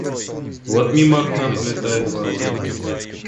Вот мимо окна пролетает ворона.